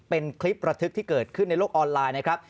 เป็นคลิประทึกที่เกิดขึ้นในโลกออนไลน์นะครับ